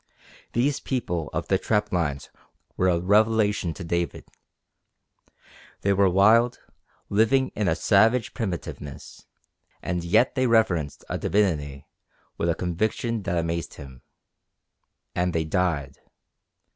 These people of the trap lines were a revelation to David. They were wild, living in a savage primitiveness, and yet they reverenced a divinity with a conviction that amazed him. And they died.